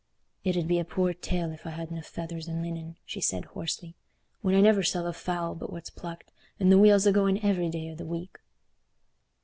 "It ud be a poor tale if I hadna feathers and linen," she said, hoarsely, "when I never sell a fowl but what's plucked, and the wheel's a going every day o' the week."